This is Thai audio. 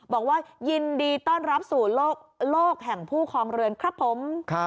บอกว่ายินดีต้อนรับสู่โลกแห่งผู้ครองเรือนครับผม